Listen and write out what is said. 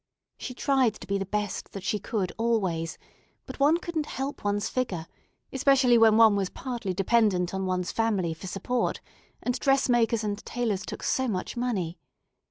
She tried to be the best that she could always; but one couldn't help one's figure, especially when one was partly dependent on one's family for support, and dressmakers and tailors took so much money.